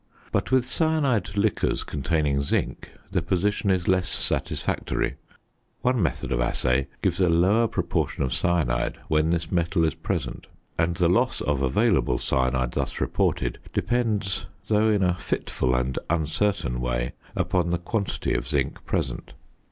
But with cyanide liquors containing zinc the position is less satisfactory. One method of assay gives a lower proportion of cyanide when this metal is present; and the loss of available cyanide thus reported depends, though in a fitful and uncertain way, upon the quantity of zinc present.